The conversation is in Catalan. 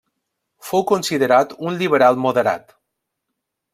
Fou considerat un liberal moderat.